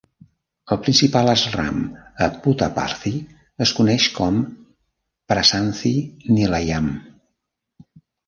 El principal asram a Puttaparthi es coneix com Prasanthi Nilayam.